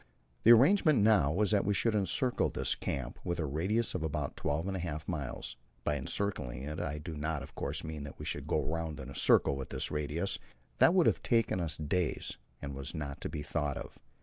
The arrangement now was that we should encircle this camp with a radius of about twelve and a half miles. By encircling I do not, of course, mean that we should go round in a circle with this radius; that would have taken us days, and was not to be thought of.